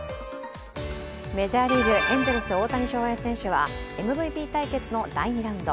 メジャーリーグ、エンゼルス大谷翔平選手はＭＶＰ対決の第２ラウンド。